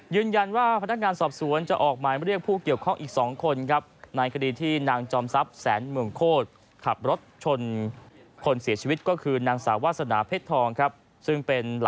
ยืนยันว่าพนักงานสอบสวนจะออกหมายเรียกผู้เกี่ยวข้องอีก๒คนครับ